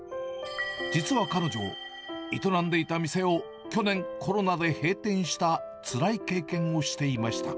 実は彼女、営んでいた店を去年、コロナで閉店したつらい経験をしていました。